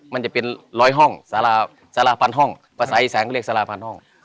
มันจะเป็นร้อยห้องสาราสาราพันห้องภาษาอีสานก็เรียกสาราพันห้อง